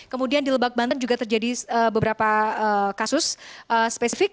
kemudian di lebak banten juga terjadi beberapa kasus spesifik